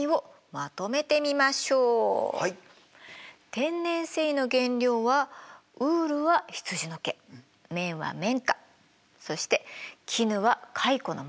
天然繊維の原料はウールは羊の毛綿は綿花そして絹は蚕の繭です。